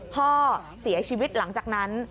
พ่อเสียชีวิตหลังจากนั้น